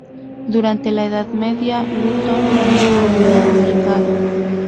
Durante la Edad Media Luton tenía un mercado.